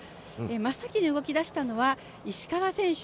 真っ先に動き出したのは石川選手。